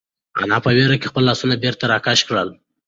انا په وېره کې خپل لاسونه بېرته راکش کړل.